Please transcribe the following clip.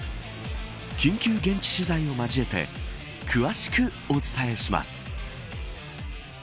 緊急現地取材を交えて詳しくお伝えします。